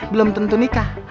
belum tentu nikah